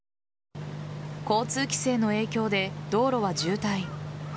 交通規制の影響で道路は渋滞。